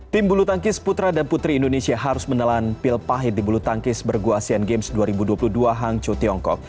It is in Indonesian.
tim bulu tangkis putra dan putri indonesia harus menelan pil pahit di bulu tangkis berguasean games dua ribu dua puluh dua hangzhou tiongkok